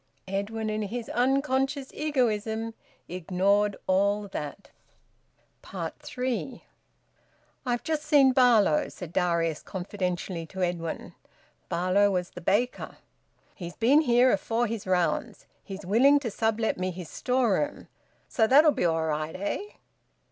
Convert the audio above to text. Edwin, in his unconscious egoism, ignored all that. THREE. "I've just seen Barlow," said Darius confidentially to Edwin. Barlow was the baker. "He's been here afore his rounds. He's willing to sublet me his storeroom so that'll be all right! Eh?"